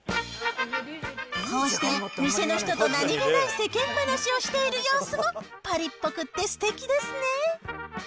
こうして店の人と何気ない世間話をしている様子も、パリっぽくってすてきですね。